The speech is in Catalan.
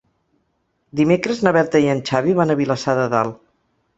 Dimecres na Berta i en Xavi van a Vilassar de Dalt.